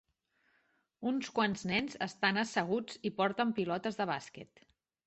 Uns quants nens estan asseguts i porten pilotes de bàsquet.